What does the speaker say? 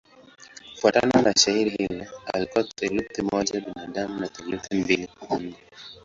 Kufuatana na shairi hilo alikuwa theluthi moja binadamu na theluthi mbili mungu.